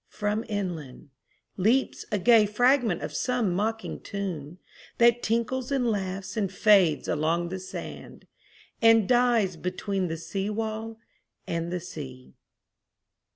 From inlandLeaps a gay fragment of some mocking tune, That tinkles and laughs and fades along the sand, And dies between the seawall and the sea.